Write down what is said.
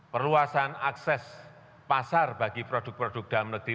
perluasan akses pasar bagi produk produk dalam negeri